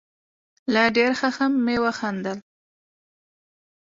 له ډېر خښم مې وخندل.